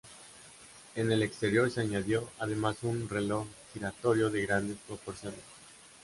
En el exterior se añadió además un reloj giratorio de grandes proporciones.